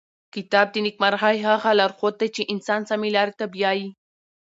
کتاب د نېکمرغۍ هغه لارښود دی چې انسان سمې لارې ته بیايي.